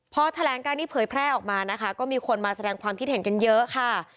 พอแถลงการนี้เผยแพร่ออกมานะคะก็มีคนมาแสดงความคิดเห็นกันเยอะค่ะ